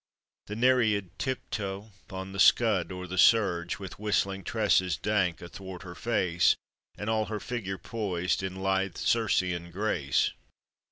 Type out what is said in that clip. The Nereid tip toe on the scud o' the surge, With whistling tresses dank athwart her face, And all her figure poised in lithe Circean grace?